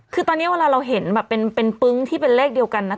คือตอนนี้เวลาเราเห็นแบบเป็นปึ๊งที่เป็นเลขเดียวกันนะคะ